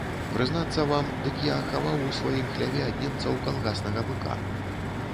Прызнацца вам, дык я хаваў у сваім хляве ад немцаў калгаснага быка.